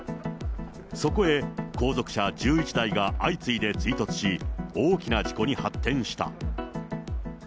そこへ後続車１１台が相次いで追突し、大きな事故に発展した。